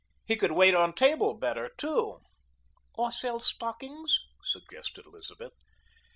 "He could wait on table better, too." "Or sell stockings?" suggested Elizabeth.